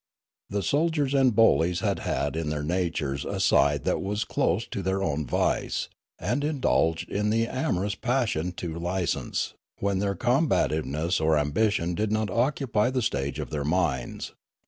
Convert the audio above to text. The soldiers and bullies had had in their natures a side that was close to their own vice, and indulged in the amorous passion to licence, when their combativeness or ambition did not occup)' the stage of their minds.